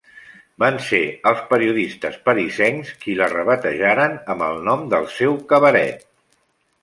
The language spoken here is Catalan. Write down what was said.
Van ser els periodistes parisencs qui la rebatejaren amb el nom del seu cabaret.